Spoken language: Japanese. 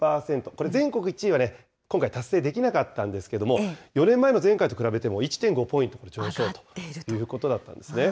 これ、全国１位はね、今回、達成できなかったんですけれども、４年前の前回と比べても１．５ポイント上昇ということだったんですね。